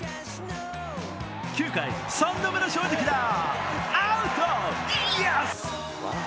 ９回、３度目の正直だアウト！